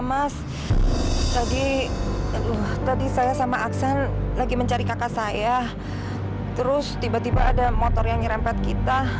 mas tadi saya sama aksen lagi mencari kakak saya terus tiba tiba ada motor yang nyerempet kita